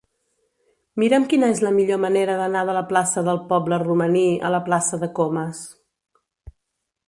Mira'm quina és la millor manera d'anar de la plaça del Poble Romaní a la plaça de Comas.